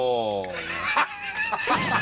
ハハハハ！